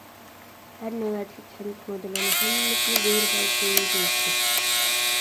ھەر نۆۋەتلىك كەنت مۇدىرلىرىنىڭ ھەممىسىنى «بۆرە بالىسى» دېيىشتى.